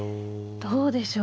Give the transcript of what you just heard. どうでしょう。